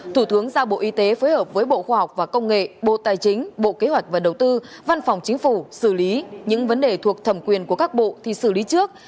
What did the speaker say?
thủ tướng giao bộ y tế phối hợp với bộ khoa học và công nghệ bộ tài chính bộ kế hoạch và đầu tư văn phòng chính phủ xử lý những vấn đề thuộc thẩm quyền của các bộ thì xử lý trước